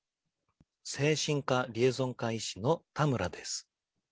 精神科・リエゾン科医師の田村です。